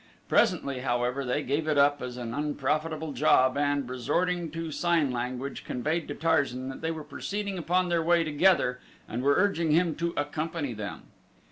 Presently, however, they gave it up as an unprofitable job and, resorting to sign language, conveyed to Tarzan that they were proceeding upon their way together and were urging him to accompany them.